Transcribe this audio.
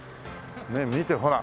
ねえ見てほら。